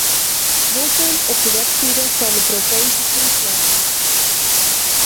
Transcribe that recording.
Wolkom op de webside fan de provinsje Fryslân.